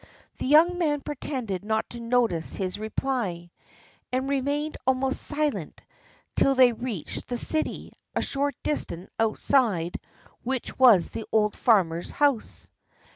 The young man pretended not to notice his reply, and remained almost silent till they reached the city, a short distance outside which was the old farmer's house.